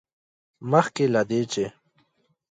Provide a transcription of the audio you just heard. مخکې له دې، چې